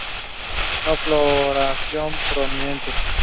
No floración prominente.